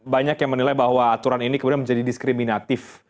banyak yang menilai bahwa aturan ini kemudian menjadi diskriminatif